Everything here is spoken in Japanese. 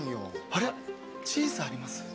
あれチーズあります？